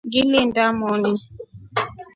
Ngilinda moni.